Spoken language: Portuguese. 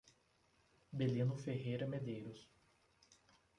Belino Ferreira Medeiros